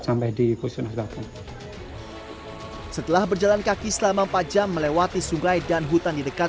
sampai di kusunah setelah berjalan kaki selama empat jam melewati sungai dan hutan di dekat